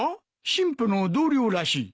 新婦の同僚らしい。